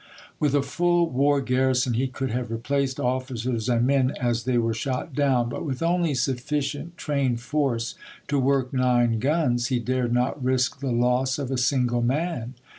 With a full war garri son he could have replaced officers and men as they were shot down; but with only sufficient trained force to work nine guns, he dared not risk THE FALL OF SUMTER 51 the loss of a single man.